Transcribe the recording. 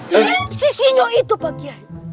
eh si sinyo itu pak giai